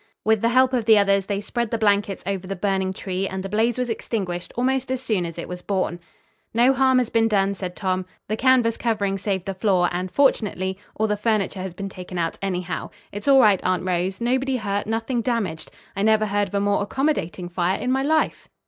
With the help of the others they spread the blankets over the burning tree and the blaze was extinguished almost as soon as it was born. "No harm has been done," said Tom. "The canvas covering saved the floor and fortunately all the furniture has been taken out anyhow. It's all right, Aunt Rose. Nobody hurt; nothing damaged. I never heard of a more accommodating fire in my life."